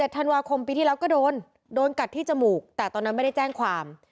ธันวาคมปีที่แล้วก็โดนโดนกัดที่จมูกแต่ตอนนั้นไม่ได้แจ้งความ